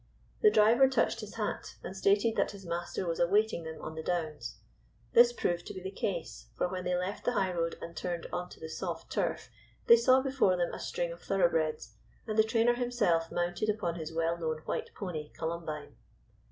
The driver touched his hat, and stated that his master was awaiting them on the Downs; this proved to be the case, for when they left the high road and turned on to the soft turf they saw before them a string of thoroughbreds, and the trainer himself mounted upon his well known white pony, Columbine.